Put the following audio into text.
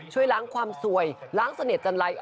ช่วยล้างความสวยล้างเสน่หจันไร